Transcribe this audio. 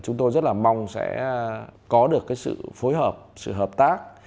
chúng tôi rất mong sẽ có được sự phối hợp sự hợp tác